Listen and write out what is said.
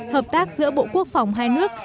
hợp tác giữa bộ quốc phòng hai nước